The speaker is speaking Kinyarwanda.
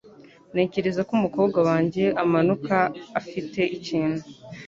Ntekereza ko umukobwa wanjye amanuka afite ikintu.